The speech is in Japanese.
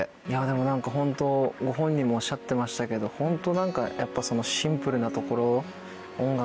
でも何かホントご本人もおっしゃってましたけどホントやっぱシンプルなところ。